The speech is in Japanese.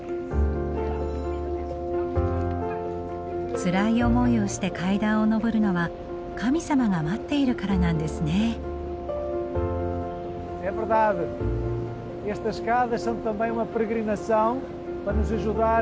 つらい思いをして階段を上るのは神様が待っているからなんですね。